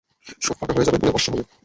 সব ফাঁকা হয়ে যাবে, পুড়ে ভস্ম হবে।